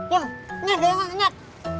wah enak enak enak